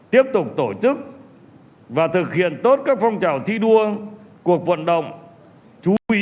tiếp tục tổ chức và thực hiện tốt các phong trào thi đua cuộc vận động chú ý hướng về cơ sở